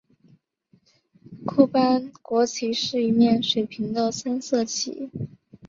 库班国旗是一面水平的三色旗。